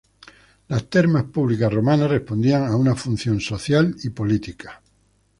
Las termas públicas romanas respondían a una función social y política.